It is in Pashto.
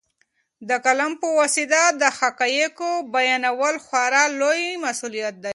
د قلم په واسطه د حقایقو بیانول خورا لوی مسوولیت دی.